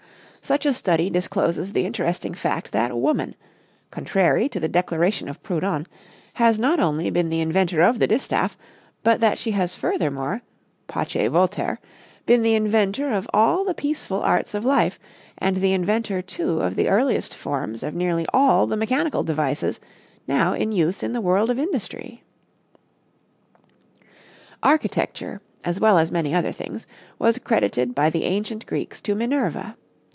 Such a study discloses the interesting fact that woman, contrary to the declaration of Proudhon, has not only been the inventor of the distaff, but that she has furthermore pace Voltaire been the inventor of all the peaceful arts of life, and the inventor, too, of the earliest forms of nearly all the mechanical devices now in use in the world of industry. Architecture, as well as many other things, was credited by the ancient Greeks to Minerva.